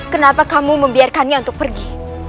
kenapa kamu membiarkannya untuk pergi